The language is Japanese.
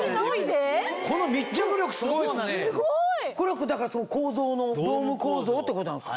これだから構造のドーム構造ってことなんですか。